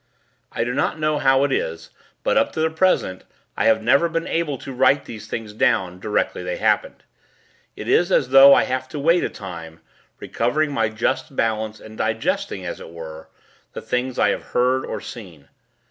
I do not know how it is; but, up to the present, I have never been able to write these things down, directly they happened. It is as though I have to wait a time, recovering my just balance, and digesting as it were the things I have heard or seen.